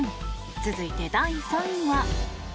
続いて、第３位は。